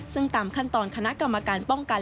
ซึ่งตามขั้นตอนคณะกรรมการป้องกัน